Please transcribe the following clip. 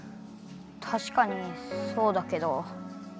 たしかにそうだけど。